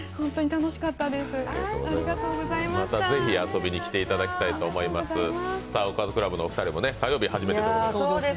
また、ぜひ遊びに来ていただきたいと思います。